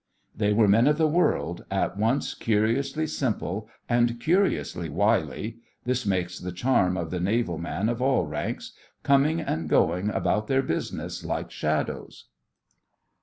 They were men of the world, at once curiously simple and curiously wily (this makes the charm of the Naval man of all ranks), coming and going about their businesses like shadows.